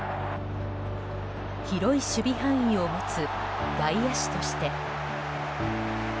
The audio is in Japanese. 広い守備範囲を持つ外野手として。